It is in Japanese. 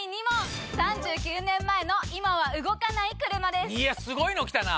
８１万⁉いやすごいの来たな！